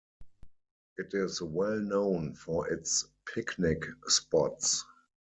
It is well known for its picnic spots.